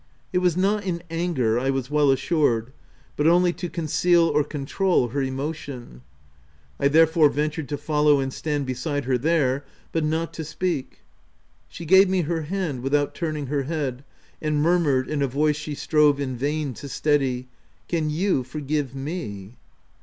It was not in anger, I was well assured, but only to conceal or con troul her emotion. I therefore ventured to follow and stand beside her there, — but not to speak. She gave me her hand, without turn ing her head, and murmured, in a voice she strove in vain to steady, —' c Can you forgive me?"